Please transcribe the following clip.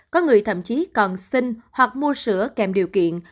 có người thậm chí còn sinh hoặc mua sữa kèm điều kiện